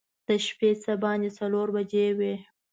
د شپې څه باندې څلور بجې وې.